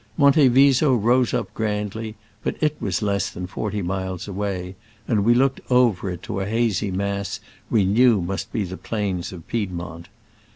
Monte Viso rose up grandly, but it was less than forty miles away, and we looked over it to a hazy mass we knew must be the plains of Piedmont.